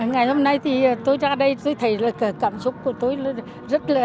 ngày hôm nay tôi ra đây tôi thấy cảm xúc của tôi rất là